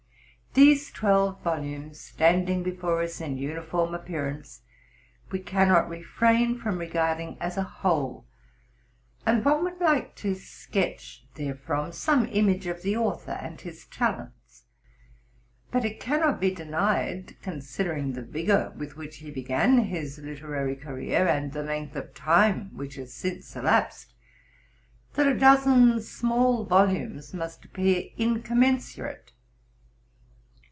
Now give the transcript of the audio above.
These twelve volumes standing before us in uniform appearance, we cannos refrain from regarding as a whole; and one would like to sketch therefrom some image of the author and his talents. But it cannot be denied, considering the vigor with which he began his literary career, and the length of time which has since elapsed, that a dozen small volumes must appear incom mensurate.